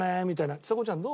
ちさ子ちゃんどう？